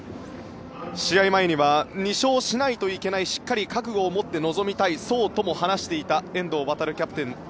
試合前には２勝しないといけないしっかり覚悟をもって臨みたい、そうとも話していた遠藤航キャプテン。